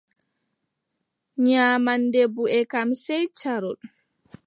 Nyamaande buʼe kam, sey caarol.